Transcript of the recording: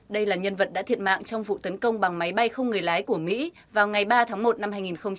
đây là nhân vật đã thiệt mạng trong vụ tấn công bằng máy bay không người lái của mỹ vào ngày ba tháng một năm hai nghìn hai mươi